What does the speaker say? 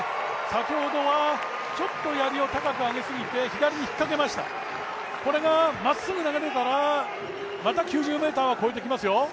先ほどはちょっとやりを高く上げすぎて左にひっかけました、これがまっすぐ投げれたら、また９０ｍは越えてきますよ。